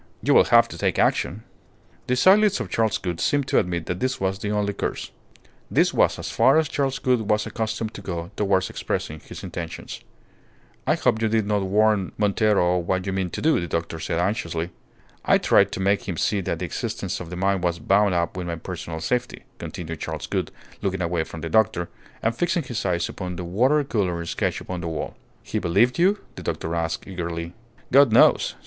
"You will have to take action." The silence of Charles Gould seemed to admit that this was the only course. This was as far as Charles Gould was accustomed to go towards expressing his intentions. "I hope you did not warn Montero of what you mean to do," the doctor said, anxiously. "I tried to make him see that the existence of the mine was bound up with my personal safety," continued Charles Gould, looking away from the doctor, and fixing his eyes upon the water colour sketch upon the wall. "He believed you?" the doctor asked, eagerly. "God knows!"